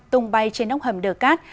tung bay trên ốc hầm đờ cát